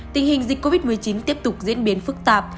tình hình dịch covid một mươi chín tiếp tục diễn biến phức tạp